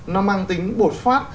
nó mang tính bột phát